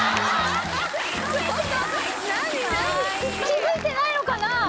気づいてないのかなあ？